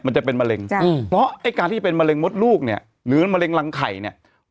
มันจะเป็นมะเร็งเพราะไอ้การที่เป็นมะเร็มมดลูกเนี่ยหรือมะเร็งรังไข่เนี่ย